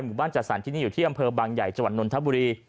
หมู่บ้านจัดสรรที่นี่อยู่ที่อำเภอบางใหญ่จังหวัดนนทบุรี